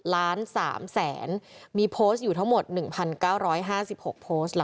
ล้าน๓แสนมีโพสต์อยู่ทั้งหมด๑๙๕๖โพสต์ล่ะ